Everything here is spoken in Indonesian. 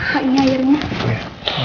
pak ini airnya